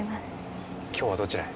今日はどちらへ？